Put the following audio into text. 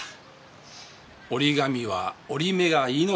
「折り紙は折り目が命」。